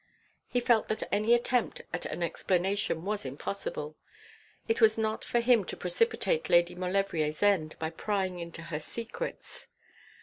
He felt that any attempt at an explanation was impossible. It was not for him to precipitate Lady Maulevrier's end by prying into her secrets.